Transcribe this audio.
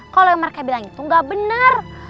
kalau yang mereka bilang itu gak bener